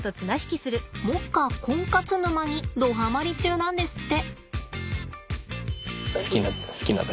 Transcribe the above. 目下コンカツ沼にどはまり中なんですって。